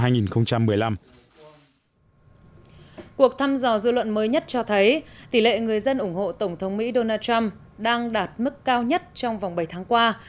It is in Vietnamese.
cuộc thăm dò dư luận mới nhất cho thấy tỷ lệ người dân ủng hộ tổng thống mỹ donald trump đang đạt mức cao nhất trong vòng bảy tháng qua